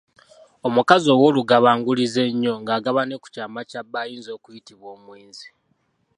Omukazi ow'olugabangulizo ennyo ng'agaba ne ku kyama kya bba ayinza okuyitibwa omwenzi.